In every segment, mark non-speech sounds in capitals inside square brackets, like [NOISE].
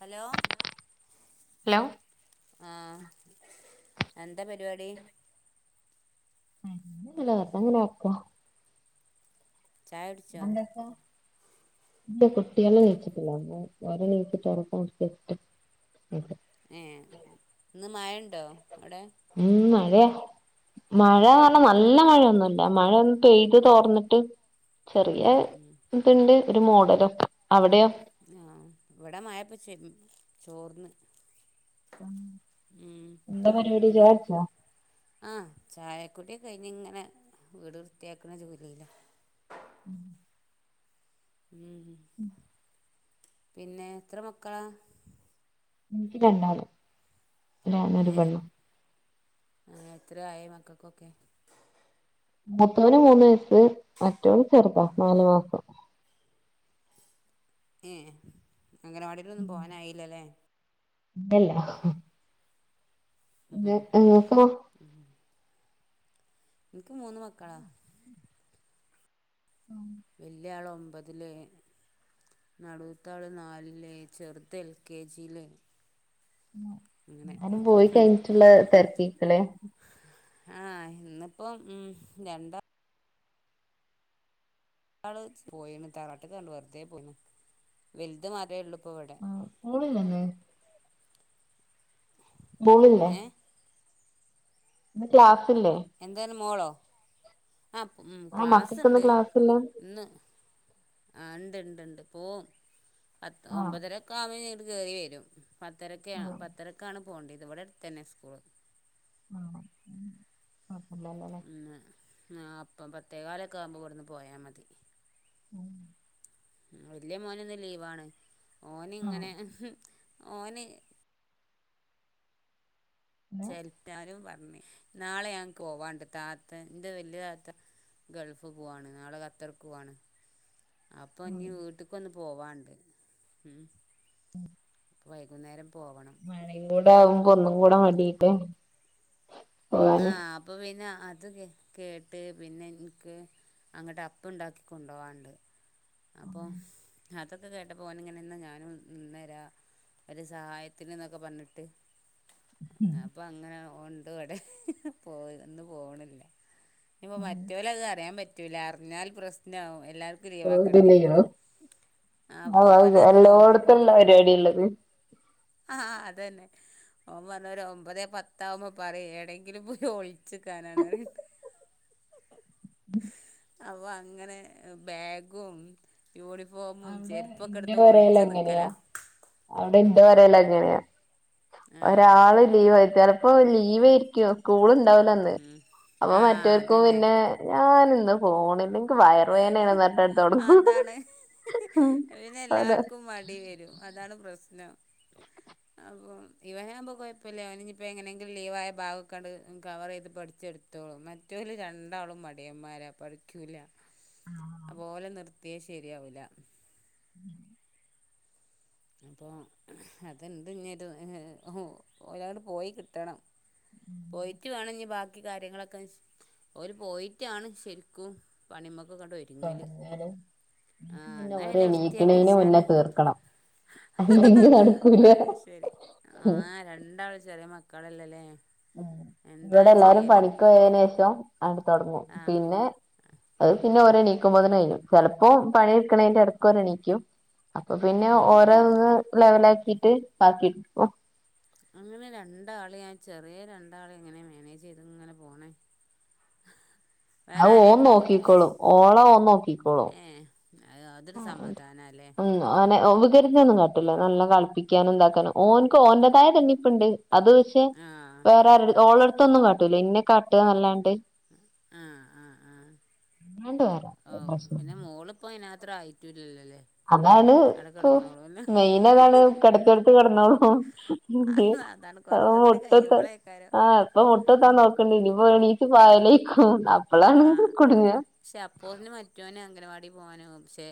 Hello hello ആഹ് എന്താ പരിപാടി ഇല്ല. വെറതങ്ങനെ ആക്ക ചായ കുടിച്ചോ എന്തൊക്കെ [INAUDIBLE] ഏഹ് ഇന്ന് മഴണ്ടോ അവിടെ ഉം മഴയാ മഴർഞ്ഞാ നല്ല മഴയൊന്നുല്ല മഴ ഒന്ന് പെയ്ത് തോർന്നിട്ട് ചെറിയ ഉം ഇത്ണ്ട് ഒരു മുഡലോക്ക അവിടെയോ ആഹ് ഇവിടെ മഴ പ ചെ ചോർന്ന് ഉം എന്താ പരിപാടി ഇനി ചായ കുടിച്ചോ ആഹ് ചായക്കുടിയൊക്കെഴിഞ്ഞ് ഇങ്ങനെ വീട് വൃത്തിയാക്ണ ജോലിയില ഉം ഉം പിന്നെ എത്ര മക്കളാ എനിക്ക് രണ്ടാള് ഒരാണും ഒരുപെണ്ണം ആഹ് എത്രയ ആയെ മക്കക്കൊക്കെ മുത്തോന് മൂന്ന് വയസ്സ് മറ്റൊൻ ചെറുതാ നാലു മാസം ഏഹ് അംഗനവാടിയിലൊന്നും പോകാനായില്ലല്ലേ എല്ല ഇങ്ങക്കോ ഉം. ഇൻക്ക് മൂന്ന് മക്കളാ ഉം വല്യാള് ഒമ്പതില്. നടുവത്താള് നാലില്, ചെറുത് എൽ കെ ജി ല്. എല്ലാരും പോയി കഴിഞ്ഞിട്ടുള്ള തെരക്കീക്കലെ. ആ ഇന്നിപ്പോം ഉം രണ്ടാ ള് പോയേന് തറവാട്ട് കാണ്ട് വെറുതെ പോയിന്. വലുത് മാത്രേ ഉള്ളു ഇപ്പവടെ. ആ സ്കൂളില്ലല്ലേ? [UNINTELLIGIBLE] ഏഹ് ഇന്ന് ക്ലാസില്ലേ? എന്താണ് മോളോ? ആ പ് ഉം ആ മക്കൾക്ക്ന്ന് ക്ലാസ്സ്ണ്ട് ക്ലാസ്സില്ല ഇന്ന്. ആ ഇണ്ട് ഇണ്ട് ഇണ്ട് പോവും പത്ത് ആഹ് ഒമ്പതരക്കെ ആവുമ്പോങ്ങട് കേറി വരും. പത്തരക്കാ ആഹ് പത്തരക്കാണ് പോകേണ്ടത്. ഇത് ഇവിടെ അടുത്തന്നെ സ്കൂള്. ആണോ ഉം. [UNINTELLIGIBLE] ഇല്ലാല്ലേ. ന്ന് ആ അപ്പം പത്തേകാലൊക്കെ ആകുമ്പോൾ ഇവിടെന്ന് പോയാൽ മതി. ഉം. ഉം വല്യ മോന് ഇന്ന് ലീവാണ്, ഓന് ആഹ് ഇങ്ങനെ ഓന് പിന്നെ [UNINTELLIGIBLE] പറഞ്ഞ് നാളെ ഞാൻ പോവാണ്ട് താത്ത എന്റെ വല്യ താത്ത ഗൾഫ് പോവാണ്, നാളെ ഖത്തർക്കോവാണ്. അപ്പൊ ഇഞ്ഞി വീട്ട്ക്കൊന്ന് പോവാണ്ട് ഉം. ഉം വൈകുന്നേരം പോവണം. [UNINTELLIGIBLE] കൂടെ ആകുമ്പോ ഒന്നും കൂടെ മടിട്ട് പോവും. അപ്പോ പിന്ന അത് കേട്ട് പിന്നെ എന്ക്ക് അങ്ങട് അപ്പ ഇണ്ടാക്കി കൊണ്ടു പോവാന്ണ്ട് അപ്പോ അതൊക്കെ കേട്ടപ്പോ ഓൻ ഇങ്ങനെ ഇന്നാ ഞാനും ഇന്നേരാ. ഒരു സഹായത്തിന്ന് ന്നൊക്കെ പറഞ്ഞിട്ട്, അപ്പൊ അങ്ങനെ ഒണ്ട് ഇവിടെ പോയി ഇന്ന് പോണില്ല. ഇപ്പോ മറ്റോല അത് അറിയാൻ പറ്റൂല അറിഞ്ഞാൽ പ്രശ്നാവും എല്ലാർക്കും ലീവാക്കേണ്ടി വരും പോകത്തില്ലയോ ആ എല്ലോടത്തുള്ള [UNINTELLIGIBLE] പരിപാടി ഉള്ളത്. ആഹ് അതന്നെ. ഓൻ പറഞ്ഞ [UNINTELLIGIBLE] ഒരു ഒമ്പതേ പത്ത ആകുമ്പോ പറയ് എവിടേങ്കിലും പോയി ഒളി ച്ചിക്കാനാണറിയും. അള്ളാ അങ്ങനെ ബാഗും യൂണിഫോമും അവിടെ ചെരുപ്പൊക്കെ ഇന്റെ എടുത്ത് പൊരേൽ ഒളിച്ച് അങ്ങനെയാ നിക്കലാ. അവിടെ എന്തോ പറയലങ്ങനെ. ആഹ് ഒരാള് ലീവ് ആരിക്ക ചെലപ്പോ ലീവ് ആരിക്കും സ്കൂള്ണ്ട വൂലാന്ന് അപ്പൊ ആ മറ്റർക്കും അതന്നെ പിന്നെ ഞാന ഇന്ന് പോണില്ല ഇൻക്ക് വയറ് വേദനയാണന്ന്ട്ട [UNINTELLIGIBLE] തൊടങ്ങും. അതാണ് പിന്നെ എല്ലാർക്കും മടി വരും അതാണ് പ്രശ്നം. അപ്പൊ ഇവനാവുമ്പോ കൊയപുല്ല അവന ഇനിപ്പ എങ്ങനെങ്കിലും ലീവായ ഭാഗൊക്കാണ്ട് കവറെയ്ത് പഠിച്ചെടു ത്തോളും മറ്റവര് രണ്ടാളും മടിയന്മാരാ പഠിക്കൂല. അത്പോലെ നിർത്തിയ ശരിയാവൂല. ഉം അപ്പോൾ അതണ്ട് ഇനി ഒരു ഓരാട് പോയി കിട്ടണം പോയിട്ട് വേണം ഇനി ബാക് ക്കി കാര്യങ്ങളൊക്കെ ഓര് പോയിട്ടാണ് ശരിക്കും പണി മ്മക്കൊക്കെണ്ട് വര് രിങ്ങല് തുടങ്ങാന് ആഹ് പിന്നെ ഓര് എന്നാപിന്നെ വൃത്തിയാക്കി എണീക്കണേന് മുന്നേ വെച്ചാല് തീർക്കണം അല്ലെങ്കി നടക്കൂല അത് ശരി ആഹ് രണ്ടാള് ചെറിയ മക്കളല്ലല്ലേ എന്താ ഇവിടെ എല്ലാരും ചെയ്യല് പണിക്ക് പോയതിന് ശേഷം അങ്ട് തൊടങ്ങും ആഹ് പിന്നെ അത് പിന്നെ ഓരെണീക്കുമ്പോ തന്നെഴിഞ്ഞു ചിലപ്പോ പണീടുക്കണേന്റെടക്കു ഓരെണീക്കും അപ്പൊ പിന്നെ ഉം ഓരെ ഒന്ന് ലെവലാക്കീട്ട് ബാക്കിട് അങ്ങനെ രണ്ടാള് ഞാൻ ചെറിയ രണ്ടാളെ എങ്ങനെയാ മാനേജ് ചെയ്ത് ഇങ്ങനെ പോണേ അത് ഓൻ വേറാരെയുണ്ട് വീട്ടില് നോക്കിക്കോളും ഓളെ ഓൻ ഏ നോക്കിക്കോളും അതൊരു സമാധാനം അല്ലേ ഉം ഓനെ ഉപകരിച്ചൊന്നും കട്ടില്ല നല്ല കളിപ്പിക്കാനും എന്താക്കാനും ഓന്ക്ക് ഓൻ്റതായ തന്നിപ്പുണ്ട് അത് പക്ഷേ ആഹ് വേറെ ആര്ട ആഹ് ഓളെടുത്തൊന്നും കാട്ടൂല ഇന്നെ കാട്ടുകാന്നല്ലാണ്ട് ആഹ് ആഹ് ആഹ് അല്ലാണ്ട് വേറെ പ്രശ്നോന്നൂല ഇപ്പൊ അയിന് അത്ര ആയിട്ടൂല്ലല്ലേ അതാണ് ഇപ്പൊ മെയിൻ അതാണ് കെടത്തിയടുത്ത് കെടന്നോളും അതാണ് അത് കുറച്ചും കൂടി മുട്ടത്ത് കഴിയുമ്പോളേക്കാരം ആഹ് ഇപ്പൊ മുട്ടെത്താൻ നോക്കണ്ട് ഇനിപ്പോ എണീറ്റ് പായലേക്കും അപ്പളാണ് ആഹ് കുടുങ്ങ പക്ഷെ അപ്പോത്ന് മറ്റോനെ അംഗനവാടി പോവാനാവും പക്ഷെ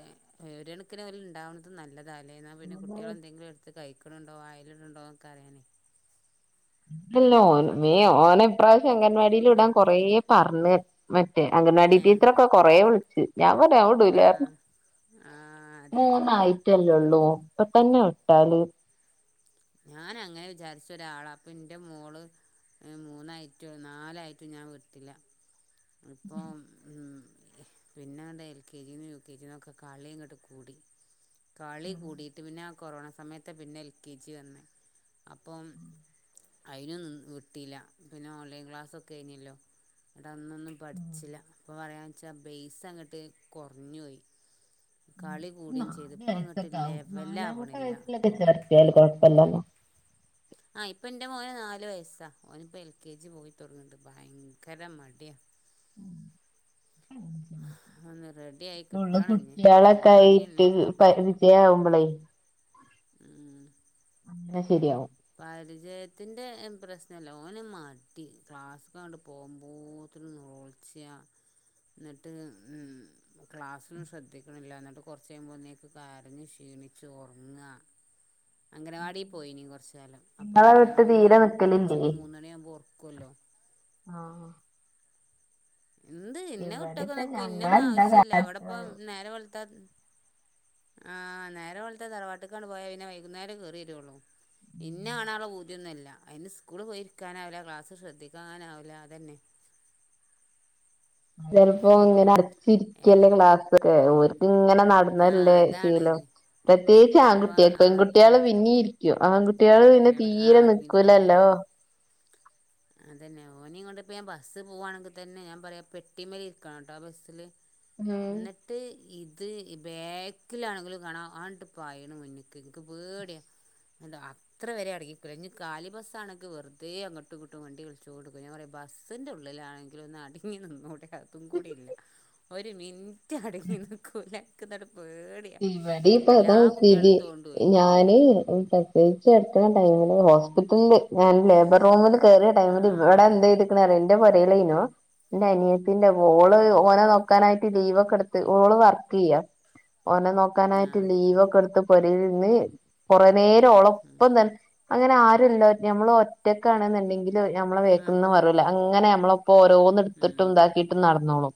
ഒരു കണക്കിന് പോലെ ഉണ്ടാവണം അത് നല്ലതാല്ലേ എന്നാ പിന്നെ അതെ കുട്ടികളെന്തെങ്കിലും എടുത്ത് കഴിക്കണുണ്ടോ വായിലിടണുണ്ടോ ന്നൊക്കെ അറിയാനേ അല്ലല്ല ഓൻ മേ മക്ക ഓനെ ഇപ്രാവശ്യം അങ്കൻവാടീല് വിടാൻ കൊറേ പറഞ്ഞു മറ്റേ ഏഹ് അംഗനവാടിടീച്ചറൊക്കെ കൊറേ വിളിച്ച് ഞാൻ പറഞ്ഞ് ഞാൻ വിടൂലാ പറഞ്ഞ് ആഹ് ആഹ് അതന്നെ മൂന്നായി ട്ടല്ലേള്ളൂ ഇപ്പൊ തന്നെ വിട്ടാല് ഞാനങ്ങനെ വിചാരിച്ച ഒരാളാ അപ്പൊ എന്റെ മോള് മൂന്നായിറ്റും നാലായിട്ടും ഞാൻ വിട്ടില്ല ഇപ്പോ ഉം പിന്നെ അങ്ങട് എൽ കെ ജി ന്നും യു കെ ജി ന്നും ഒക്കെ കളിയങ്ങോട്ട് കൂടി കളി കൂടിയിട്ട് പിന്നെ കൊറോണ സമയത്താ പിന്നെ എൽ കെ ജി വന്നേ അപ്പം അയിനും വിട്ടീല്ല പിന്നെ ഓൺലൈൻ ക്ലാസ്സൊക്കെ ആയീന്നല്ലോ അന്ന് ഒന്നും പഠിച്ചില്ല അപ്പ പറയാന്ന് വെച്ചാ ബേസങ്ങോട്ട് കൊറഞ്ഞുപോയി കളി കൂടീം ചെയ്ത് നാല് ഇപ്പങ്ങോട്ട് വയസ്സൊക്കെ ആവും ലെവൽ നാലാമത്തെ ആവണില്ല [UNINTELLIGIBLE] കിട്ടിയാല് കൊഴപ്പില്ലല്ലോ ആഹ് ഇപ്പം എൻ്റെ മോന് നാല് വയസ്സാ ഓന് ഇപ്പോൾ എൽ കെ ജി പോയി തൊടങ്ങിണ്ട് ഭയങ്കര മടിയാ ഉം ഉം ഒന്ന് റെഡിയായി ഇപ്പൊള്ള കിട്ടണം ഇനി കുട്ടികളൊക്കെ പണി ആയിട്ട് തന്നെ പരി വിജയാവുമ്പളെ ഉം പിന്നെ ശരിയാവും പരിചയത്തിന്റെ പ്രശ്നല്ല ഓന് മടി ക്ലാസ്ക്ക്ങ്ങട് പോവ്മ്പോത്തേന് നോൽ ച്ചിയ ന്നിട്ട് ഉം ക്ലാസ്സിലും ശ്രദ്ധിക്കണില്ല എന്നിട്ട് കൊറച്ച് കഴിയുമ്പോന്നേക്ക് കരഞ്ഞ് ക്ഷീണിച്ച് ഒറങ്ങ്വ അംഗനവാടീ പോയീനി കൊറച്ച് കാലം അപ്പൊ നിങ്ങളെ വിട്ട് അംഗനവാടീന്ന് തീരെ നിക്കലില്ലേ ഉച്ചയ്ക്ക് മൂന്ന് മണിയാവുമ്പോ ഒറ ക്കുവല്ലോ ആഹ് എന്ത് ഇന്നെ ഇവിടിപ്പ കുട്ടികൾക്ക് ഇന്നോ ഒന്നും ഞങ്ങളെന്താ ആവശ്യ ഇല്ല അവിടെപ്പം കാ നേരം വെളുത്താ ആഹ് നേരം വെളുത്ത തറവാട്ടക്കാണ് പോയാ പിന്നെ വൈകുന്നേരം കേറി വരുള്ളു ഇന്നളാണോ വു തിന്നൊല്ല അതിന് സ്കൂള് പോയിരിക്കാനാവില്ല ക്ലാസ്സ് ശ്രദ്ധിക്കാനാവില്ല അതന്നെ [INAUDIBLE] ചിലപ്പോ ഇങ്ങനെ ഏത് അടച്ചിരിക്കല്ലേ ക്ലാസ് ഒക്കെ ഓര്ക്ക് ഇങ്ങനെ ആ നടന്നല്ലേ അതാണ് ശീലം പ്രത്യേകിച്ച് ഇപ്പം ആൺകുട്ടികൾക്ക് ആ ഇപ്പോ പെൺകുട്ടികള് പിന്നെ ഇ രിക്കും ആൺകുട്ടികള് പിന്നെ കുട്ടികൾ ആ തീരെ അടങ്ങിയിരിക്കുവല്ലോ നിക്കൂലല്ലോ അതന്നെ ഓന് കൊണ്ട് ഇപ്പ ഞാൻ ബസ്സ് പോവാണെങ്കിൽ തന്നെ ഞാൻ പറയും പെട്ടിമൽ ഇരിക്കണട്ടാ ബസ്സില് ഉം എന്നി ട്ട് ഇത് ബാക്കിലാണെങ്കിലും കാണ ആണ്ട് പായണ് മുന്നക്ക് എനിക്ക് പേടിയാ അല്ല അത്ര വരെ അടങ്ങി ഇരിക്കില്ല ഇനി കാലി ബസ്സാണങ്കിൽ വെറുതെ അങ്ങോ ട്ട് ഇങ്ങട്ടും വണ്ടികളിച്ചോട്ക്കും ഞാൻ പറയും ബസ്സിൻ്റെ ഉള്ളിലാണങ്കിലും ഒന്ന് അടങ്ങി നിന്നൂടെ അതുംകൂടിയില്ല ഒരു മിനിറ്റ് അടങ്ങി നിക്കൂല എനിക്കതാണ് പേടി ഇവിടെയും ഇപ്പൊ അതാ സ്ഥിതി ഞാന് ഡേറ്റ് അടുക്കന്ന ടൈമില് ഹോസ്പിറ്റ്ല് ഞാൻ ലേബർ റൂമില് കേറിയ ടൈമില് ഇവിടെ ആഹ് എന്തടു ക്ക്‌ണെറിയോ എന്റെ പുരയിലെനോ എന്റെ അനിയത്തിന്റെ മോള് ഉം ഓനെ നോക്കാനായിട്ട് ലീവ് ഒക്കെ എടുത്ത് ഓള് വർക്ക് ചെയ്യാ ഓനെ നോക്കാനായിട്ട് ആഹ് ലീവൊക്കെ എടുത്ത് പൊരന്ന് കൊറെ നേരം ഉം ഓളൊപ്പം ത അങ്ങനെ ആരുല്ല നമ്മൾ ഒറ്റക്ക് ആണെന്നുണ്ടെങ്കിൽ നമ്മളെ ആഹ് ബാക്കിന്ന് മാ റുല്ല അങ്ങനെ നമ്മളപ്പോ ഓരോന്ന് എടുത്തിട്ടും ഉം ഇതാക്കിട്ടും നടന്നോളും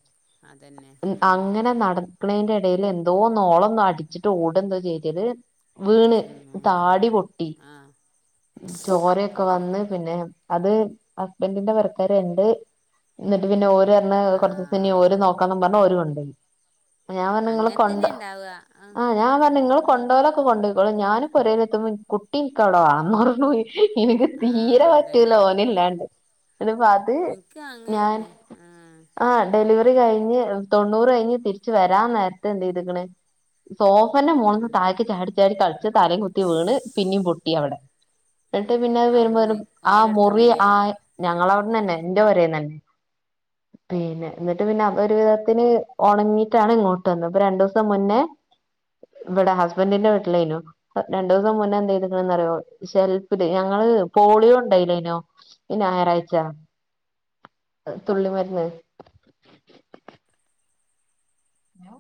അതന്നെ ഉം അങ്ങനെ നട ക്കണെന്റെ ഇടയിൽ എന്തോ നോളം അടിച്ചിട്ട് ഓട് എന്തോ ചെയ്തല് വീണ് ചുമ്മേ താടി പൊട്ടി ആഹ് ചോര ഒക്കെ അതോ വന്ന് പിന്നെ അത് ഹസ്ബൻൻ്റിന്റെ പിരക്കാരുണ്ട് എന്നിട്ട് പിന്നെ ഓര് ണ് കൊറച്ച്സം ഇനി ഓര് ആഹ് നോക്കാന്നും പറഞ്ഞു ഓര് കൊണ്ടുപോയി ഞാൻ പറഞ്ഞു നിങ്ങൾ അങ്ങനെ തന്നെ ഓടോ ഉണ്ടാവുക ആഹ് ഞാൻ പറഞ്ഞു നിങ്ങൾ ഉം കൊണ്ടുപോകലൊക്കെ കൊ കൊണ്ടയ്ക്കോളൂ ഞാനു പൊരയിലെത്തുമ്പ കുട്ടി എനിക്കവിടെ വേണോന്ന് പറഞ്ഞുപോയി എനിക്ക് തീരെ ആഹ് പറ്റൂല അതന്നെ ഓന് ഇല്ലാണ്ട് അത് അത് എനിക്ക് ഞാൻ അങ്ങന്നെ ആഹ് ആഹ് ഡെലിവറി കഴിഞ്ഞ് തൊണ്ണൂറ് കഴിഞ്ഞ് തിരിച്ച് വരാ നേരത്തെ എന്ത് ചെയ്തിക്കണ് സോഫന്റെ മോളിന്ന് ഉം താഴക്ക് ചാടി ചാടി കളിച്ച് തലയും കുത്തി വീണ് പിന്നെയും പൊട്ടി അവിടെ എന്നിട്ട് പിന്നെ അത് വരുമ്പോര് അവിടുന്ന് ആ മുറി ഓലടുത്തുന്നില്ലേ ആ ഞങ്ങള അവിടന്ന തന്നെ എന്റെ പോരെതന്നെ പിന്നെ എന്നിട്ട് പിന്നെ അതൊരു വിധത്തിന് ഉണങ്ങിയിട്ടാണ് ഇങ്ങോ ട്ട്ന്നു ഇപ്പ രണ്ടുസം മുന്നേ ഇവിടെ ഹസ്ബൻറ്റിന്റെ വീട്ടിലയിനു രണ്ടുസം മുന്നേ എന്ത ചെയ്തക്കുന്നറിയോ ഷെൽഫില് ഞങ്ങള് പോളിയോ ഉണ്ടായില്ലയിനോ ഈ ഞായറാഴ്ച തുള്ളിമരുന്ന് ഹലോ